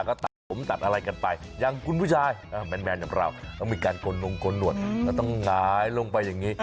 ก็ตัดผมตัดอะไรกันไปอย่างคุณผู้ชายแมนอย่างเราต้องมีการโกนลงกลหนวดแล้วต้องหงายลงไปอย่างนี้